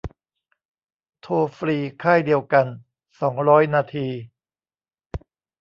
โทรฟรีค่ายเดียวกัน สองร้อยนาที